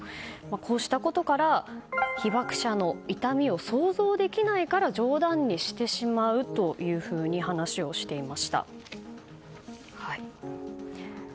こうしたことから被爆者の痛みを想像できないから冗談にしてしまうというふうに話をしていました。